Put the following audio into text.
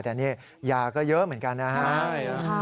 แต่นี่ยาก็เยอะเหมือนกันนะครับ